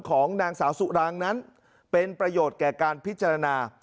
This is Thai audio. ของนางสาวสุรางนั้นเป็นประโยชน์แก่การพิจารณา